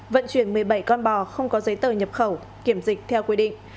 vận chuyển một mươi bảy con bò không có giấy tờ nhập khẩu kiểm dịch theo quy định